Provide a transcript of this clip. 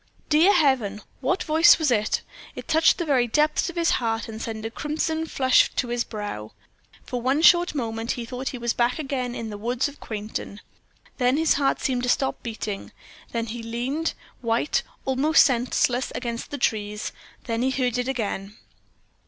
Dear Heaven! what voice was it? It touched the very depths of his heart, and sent a crimson flush to his brow. For one short moment he thought he was back again in the woods of Quainton. Then his heart seemed to stop beating; then he leaned, white, almost senseless, against the trees; then he heard it again.